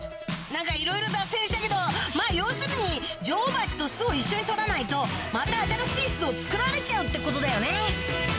何かいろいろ脱線したけどまぁ要するに女王バチと巣を一緒に取らないとまた新しい巣を作られちゃうってことだよね